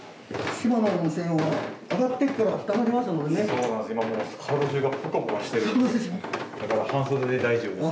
今もうだから半袖で大丈夫です